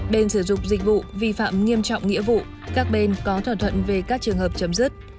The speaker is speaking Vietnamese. bên sử dụng dịch vụ vi phạm nghiêm trọng nghĩa vụ các bên có thỏa thuận về các trường hợp chấm dứt